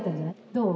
どう？